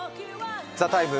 「ＴＨＥＴＩＭＥ，」